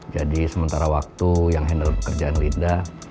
jadi sementara waktu yang handle pekerjaan linda